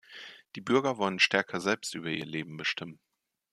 Die Bürger wollen stärker selbst über ihr Leben bestimmen.